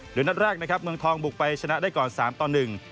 หรือนัดแรกเมืองทองบุกไปชนะได้ก่อน๓ตอน๑